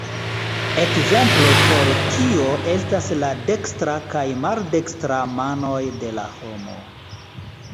Ekzemplo por tio estas la dekstra kaj maldekstra manoj de la homo.